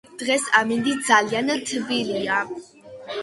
დღეს ამინდი ძალიან თბილია.